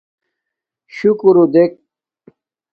شِݣݸر دݵک.